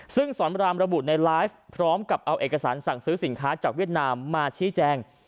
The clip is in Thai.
ซึ่งสอนรามระบุในไลฟ์พร้อมกับเอาเอกสารสั่งซื้อสินค้าจากเวียดนามมาชี้แจง